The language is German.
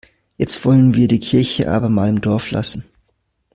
Jetzt wollen wir die Kirche aber mal im Dorf lassen.